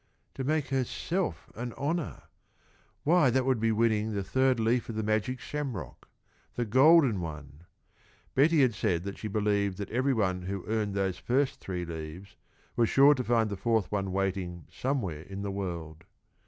"To make herself an honor," why, that would be winning the third leaf of the magic shamrock the golden one! Betty had said that she believed that every one who earned those first three leaves was sure to find the fourth one waiting somewhere in the world.